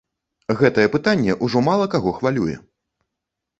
Гэтае пытанне ўжо мала каго хвалюе.